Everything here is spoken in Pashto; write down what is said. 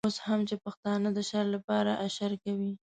اوس هم چې پښتانه د شر لپاره اشر کوي.